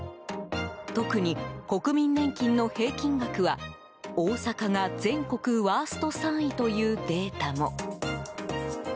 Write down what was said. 特に国民年金の平均額は大阪が、全国ワースト３位というデータも。